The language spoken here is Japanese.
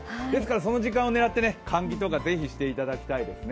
その時間を狙って換気とかぜひしてもらいたいですね。